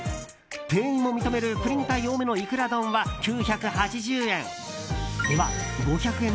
店員も認めるプリン体多めのイクラ丼は９８０円。